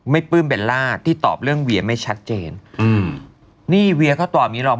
ปลื้มเบลล่าที่ตอบเรื่องเวียไม่ชัดเจนอืมนี่เวียเขาตอบอย่างงี้หรอก